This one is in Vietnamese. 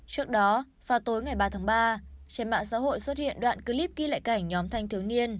trước đó vào tối ngày ba tháng ba trên mạng xã hội xuất hiện đoạn clip ghi lại cảnh nhóm thanh thiếu niên